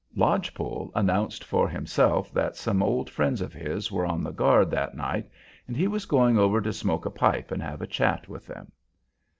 "Lodge Pole" announced for himself that some old friends of his were on the guard that night, and he was going over to smoke a pipe and have a chat with them.